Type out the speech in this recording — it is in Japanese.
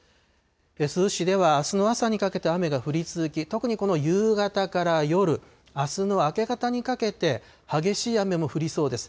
珠洲市ではあすの朝にかけて雨が降り続き、特にこの夕方から夜、あすの明け方にかけて激しい雨も降りそうです。